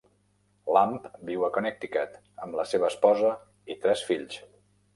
Lamb viu a Connecticut amb la seva esposa i tres fills.